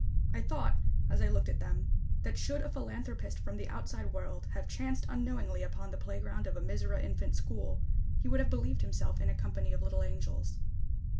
I thought, as I looked at them, that should a philanthropist from the outside world have chanced unknowingly upon the playground of a Mizora infant school, he would have believed himself in a company of little angels.